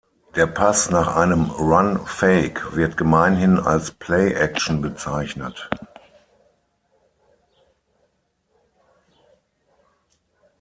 Der Pass nach einem Run Fake wird gemeinhin als Play-Action bezeichnet.